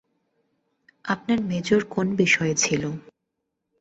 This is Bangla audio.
আপনার মেজর কোন বিষয়ে ছিল?